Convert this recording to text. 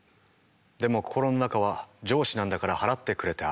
でも心の中は「上司なんだから払ってくれて当たり前」。